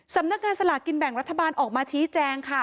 สำนักงานสลากกินแบ่งรัฐบาลออกมาชี้แจงค่ะ